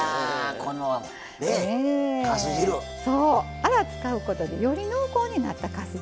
アラ使うことでより濃厚になったかす汁。